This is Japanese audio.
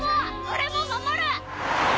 俺も守る！